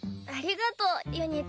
ありがとう。